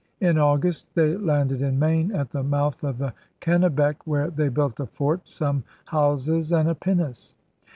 In August they landed in Maine at the mouth of the Kennebec, where they built a fort, some houses, and a pinnace.